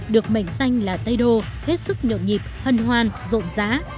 được mệnh danh là tây đô hết sức nhượng nhịp hân hoan rộn rã